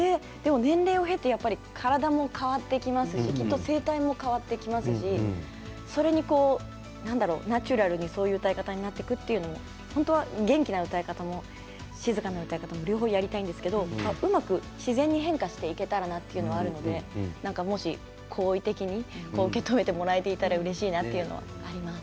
年齢を経て体も変わってきますし声帯も変わってきますしナチュラルにそういう歌になっていくということは元気な歌い方も、静かな歌い方も両方やりたいんですけどうまく自然に変化していけたらということがあるので好意的に受け止めてもらえてたらうれしいなと思います。